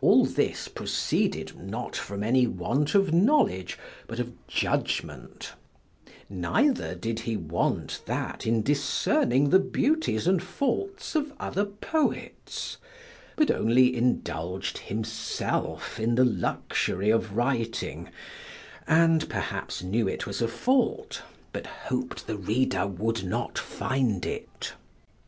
All this proceeded not from any want of knowledge, but of judgment, neither did he want that in discerning the beauties and faults of other poets, but only indulg'd himself in the luxury of writing, and perhaps knew it was a fault, but hop'd the reader would not find it.